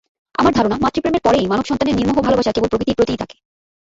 আমার ধারণা, মাতৃপ্রেমের পরেই মানবসন্তানের নির্মোহ ভালোবাসা কেবল প্রকৃতির প্রতিই থাকে।